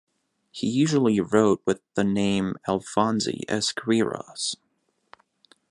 He usually wrote with the name Alphonse Esquiros.